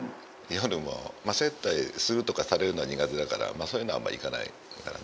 夜も接待するとかされるのは苦手だからそういうのはあんま行かないからね。